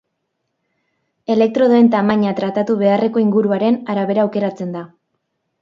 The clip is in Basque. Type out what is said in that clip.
Elektrodoen tamaina tratatu beharreko inguruaren arabera aukeratzen da.